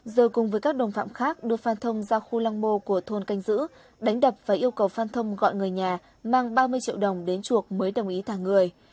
giờ cùng với các đồng phạm khác đưa phan thông ra khu lăng mộ của thôn canh giữ đánh đập và yêu cầu phan thông gọi người nhà mang ba mươi triệu đồng đến chuộc mới đồng ý thả người